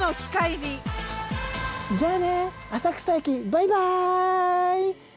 じゃあね浅草駅バイバイ。